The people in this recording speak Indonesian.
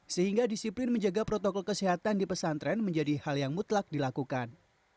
sehingga disiplin menjaga protokol kesehatan di pesantren menjadi hal yang mutlak dilakukan